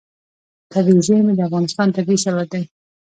طبیعي زیرمې د افغانستان طبعي ثروت دی.